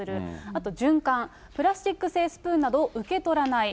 あと循環、プラスチックスプーンなどを受け取らない。